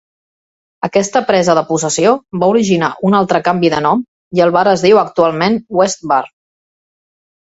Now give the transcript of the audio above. Aquesta presa de possessió va originar un altre canvi de nom i el bar es diu actualment "West Bar".